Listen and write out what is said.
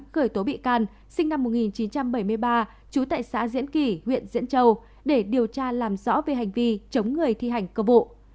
khởi tố bị can sinh năm một nghìn chín trăm bảy mươi ba trú tại xã diễn kỳ huyện diễn châu để điều tra làm rõ về hành vi chống người thi hành công bộ